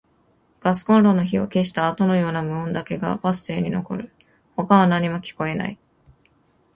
ガスコンロの火を消したあとのような無音だけがバス停に残る。他は何も聞こえない。